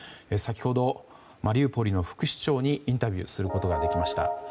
先ほど、マリウポリの副市長にインタビューすることができました。